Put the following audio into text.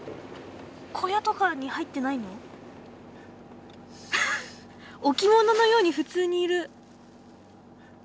小屋とかに入ってないの？置物のように普通にいる。